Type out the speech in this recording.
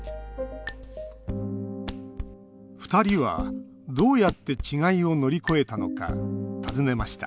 ふたりは、どうやって違いを乗り越えたのか尋ねました